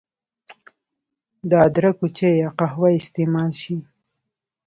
د ادرکو چای يا قهوه استعمال شي